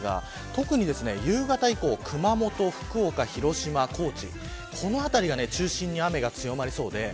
特に夕方以降熊本、福岡、広島、高知この辺りを中心に雨が強まりそうです。